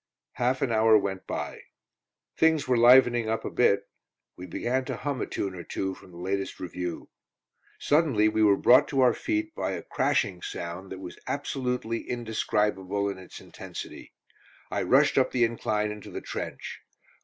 Half an hour went by. Things were livening up a bit. We began to hum a tune or two from the latest revue. Suddenly we were brought to our feet by a crashing sound that was absolutely indescribable in its intensity. I rushed up the incline into the trench.